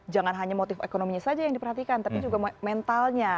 jangan hanya motif ekonominya saja yang diperhatikan tapi juga mentalnya